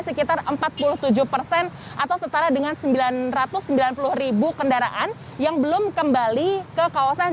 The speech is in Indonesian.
sekitar empat puluh tujuh persen atau setara dengan sembilan ratus sembilan puluh ribu kendaraan yang belum kembali ke kawasan